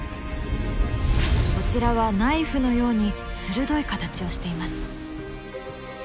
こちらはナイフのように鋭い形をしています。